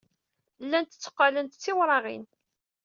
Llant tteqqalent d tiwraɣin.